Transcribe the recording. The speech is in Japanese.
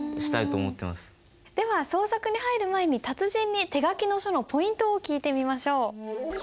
では創作に入る前に達人に手書きの書のポイントを聞いてみましょう。